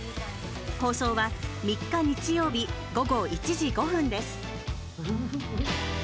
放送は３日日曜日、午後１時５分です。